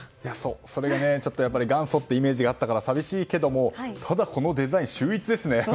それが、ちょっと元祖ってイメージがあったから寂しいけどただこのデザイン、秀逸ですね。